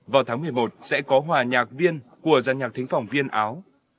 vào tháng một mươi một sẽ có hòa nhạc viên của dàn nhạc thính phẩm viên áo